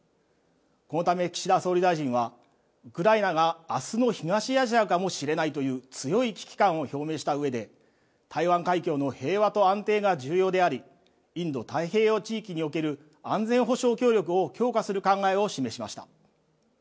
このため、岸田総理大臣はウクライナがあすの東アジアかもしれないという強い危機感を表明したうえで、台湾海峡の平和と安定が重要であり、インド太平洋地域における安全保障協力を強化する考えを示しました。